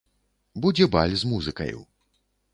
Будзе баль з музыкаю.